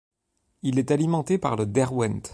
Il est alimenté par le Derwent.